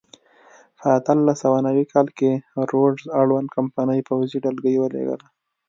په اتلس سوه نوي کال کې د روډز اړوند کمپنۍ پوځي ډلګۍ ولېږله.